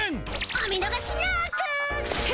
お見逃しなーく！